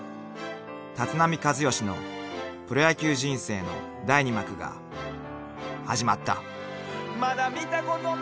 ［立浪和義のプロ野球人生の第二幕が始まった］